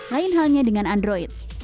lain halnya dengan android